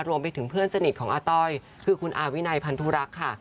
รวมไปถึงเพื่อนสนิทของอาต้อยคือคุณอาวินัยพันธุรักษ์ค่ะ